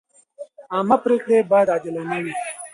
عامه پریکړې باید عادلانه وي.